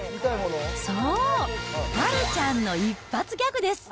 そう、丸ちゃんの一発ギャグです。